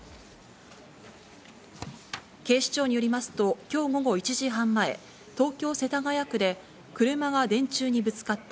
警視庁によりますと、きょう午後１時半前、東京・世田谷区で、車が電柱にぶつかった。